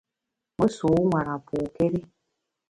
Me sû nwara pôkéri.